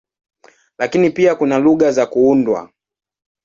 Lakini pia kuna lugha za kuundwa.